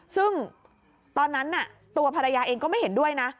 ซึ่งตอนนั้นตัวภรรยาเองก็ไม่เห็นด้วยนะ